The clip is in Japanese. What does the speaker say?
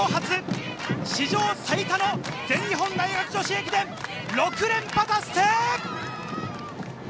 史上初、史上最多の全日本大学女子駅伝６連覇達成！